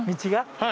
はい。